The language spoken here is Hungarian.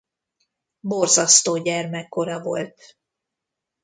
Borzasztó gyermekkora volt.